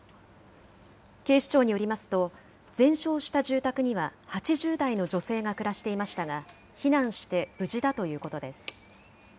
警視庁によりますと、全焼した住宅には８０代の女性が暮らしていましたが、避難して無事だということです。